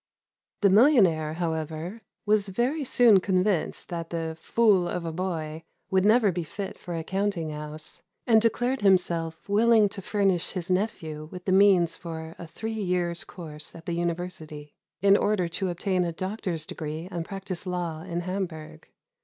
The millionaire, however, was very soon convinced that the "fool of a boy" would never be fit for a counting house, and declared himself willing to furnish his nephew with the means for a three years, course at the university, in order to obtain a doctor's degree and practice law in Hamburg.